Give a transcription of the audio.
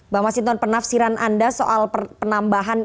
bang masinton penafsiran anda soal penambahan